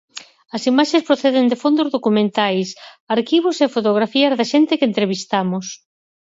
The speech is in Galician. As imaxes proceden de fondos documentais, arquivos e fotografías da xente que entrevistamos.